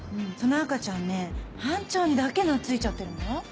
その赤ちゃんね班長にだけなついちゃってるのよ！